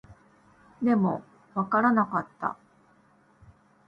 でも、わからなかった